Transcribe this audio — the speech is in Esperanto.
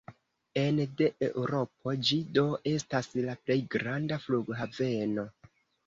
Ene de Eŭropo, ĝi do estas la plej granda flughaveno.